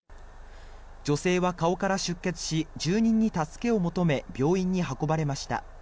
女性は顔から出血し住人に助けを求め病院に運ばれました。